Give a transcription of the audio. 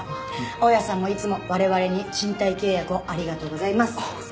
大家さんもいつも我々に賃貸契約をありがとうございます。